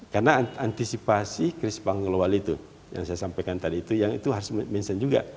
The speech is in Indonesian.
karena antisipasi krisis pangan lokal itu yang saya sampaikan tadi itu harus dimensi juga